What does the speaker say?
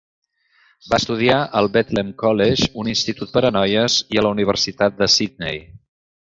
Va estudiar al Bethlehem College, un institut per a noies, i a la Universitat de Sydney.